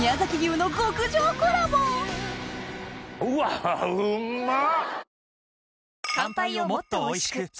うわうんまっ！